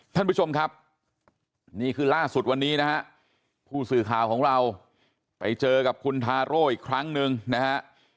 ท่านผู้ชมครับนี่คือล่าสุดวันนี้นะฮะผู้สื่อข่าวของเราไปเจอกับคุณทาโร่อีกครั้งหนึ่งนะฮะ